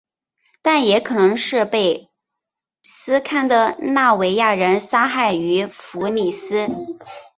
但也可能是被斯堪的纳维亚人杀害于福里斯。